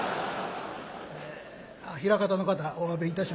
あ枚方の方おわびいたしますけども。